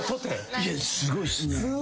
いやすごいっすね。